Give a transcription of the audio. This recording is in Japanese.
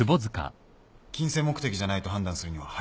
金銭目的じゃないと判断するには早過ぎませんか？